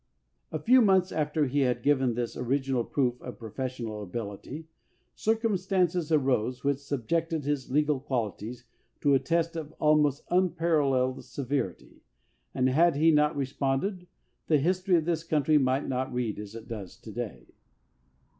A few months after he had given this signal proof of professional ability, circumstances arose 298 AS PRESIDENT which subjected his legal qualities to a test of almost unparalleled severity, and had he not responded, the history of this country might not read as it does to day.